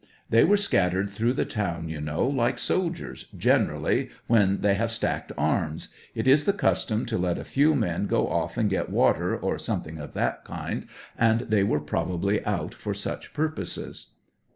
They were scattered through the town, you know, like soldiers generally, when they have stacked arms ; it is the custom to let a few men go off and get water or something of that kind, and they were probably out for such purposes.